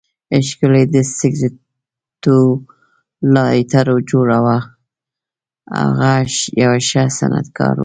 ښکلی د سګریټو لایټر جوړاوه، هغه یو ښه صنعتکار و.